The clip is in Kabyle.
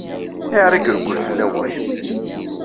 Ayɣer i ireggel fell-awen?